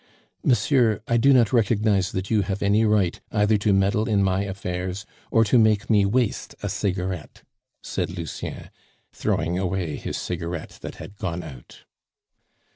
"Monsieur, I do not recognize that you have any right either to meddle in my affairs, or to make me waste a cigarette," said Lucien, throwing away his cigarette that had gone out.